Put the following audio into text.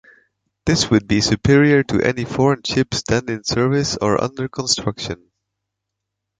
This would be superior to any foreign ships then in service or under construction.